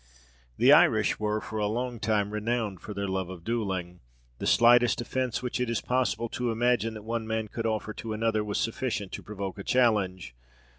The Irish were for a long time renowned for their love of duelling. The slightest offence which it is possible to imagine that one man could offer to another was sufficient to provoke a challenge.